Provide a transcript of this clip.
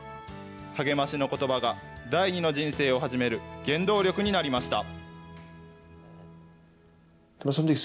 励ましのことばが第二の人生を始める原動力になりました。